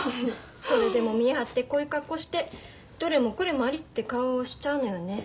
それでも見栄張ってこういう格好してどれもこれもありって顔をしちゃうのよね。